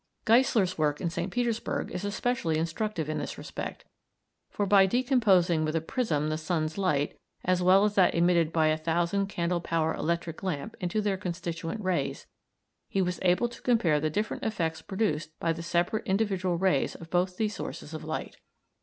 Geisler's work in St. Petersburg is especially instructive in this respect, for by decomposing with a prism the sun's light, as well as that emitted by a 1,000 candle power electric lamp into their constituent rays, he was able to compare the different effects produced by the separate individual rays of both these sources of light.